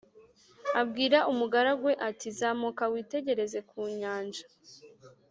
Abwira umugaragu we ati “Zamuka witegereze ku nyanja”